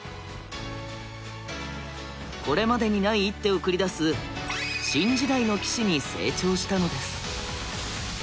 これまでにない一手を繰り出す新時代の棋士に成長したのです。